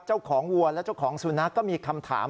วัวและเจ้าของสุนัขก็มีคำถาม